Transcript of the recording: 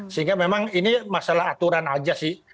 sehingga memang ini masalah aturan aja sih